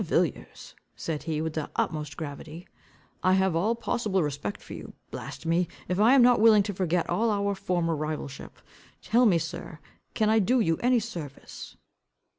Villiers," said he, with the utmost gravity, "I have all possible respect for you. Blast me! if I am not willing to forget all our former rivalship. Tell me, sir, can I do you any service?"